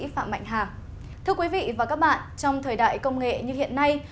phạm mạnh hà thưa quý vị và các bạn trong thời đại công nghệ như hiện nay